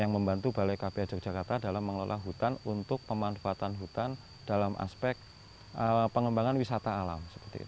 yang membantu balai kpa yogyakarta dalam mengelola hutan untuk pemanfaatan hutan dalam aspek pengembangan wisata alam